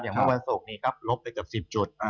เมื่อวันศุกร์นี้ครับลบไปเกือบ๑๐จุด